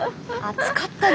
暑かった。